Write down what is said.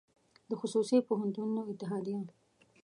د خصوصي پوهنتونونو اتحادیه